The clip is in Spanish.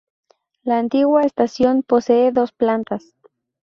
La antigua estación posee dos plantas.